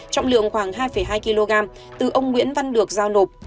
trọng lượng khoảng hai hai kg từ ông nguyễn văn được giao nộp